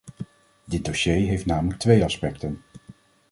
Dit dossier heeft namelijk twee aspecten.